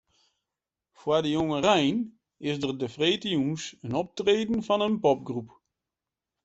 Foar de jongerein is der de freedtejûns in optreden fan in popgroep.